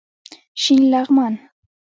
شین لغمان